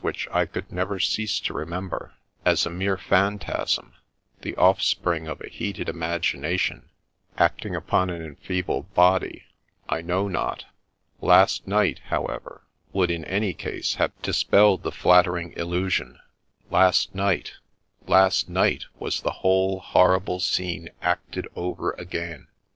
123 which I could never cease to remember, as a mere phantasm, the offspring of a heated imagination, acting upon an enfeebled body, I know not — last night, however, would in any case have dispelled the flattering illusion — last night — last night was the whole horrible scene acted over again.